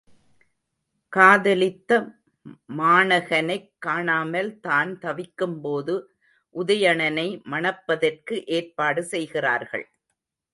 காதலித்த மாணகனைக் காணாமல் தான் தவிக்கும்போது, உதயணனை மணப்பதற்கு ஏற்பாடு செய்கிறார்கள்.